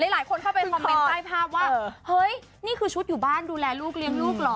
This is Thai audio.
หลายคนเข้าไปคอมเมนต์ใต้ภาพว่าเฮ้ยนี่คือชุดอยู่บ้านดูแลลูกเลี้ยงลูกเหรอ